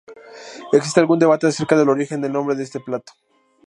Existe algún debate acerca del origen del nombre de este plato.